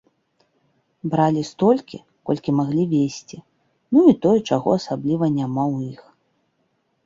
Бралі столькі, колькі маглі везці, ну і тое, чаго асабліва няма ў іх.